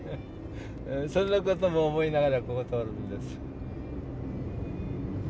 そんなことも思いながらここ通るんです。